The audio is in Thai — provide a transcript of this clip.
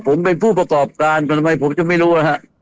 อ๋อผมเป็นผู้ประกอบการยังไม่รู้นะครับ